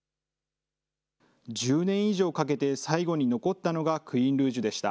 １０年以上かけて最後に残ったのが、クイーンルージュでした。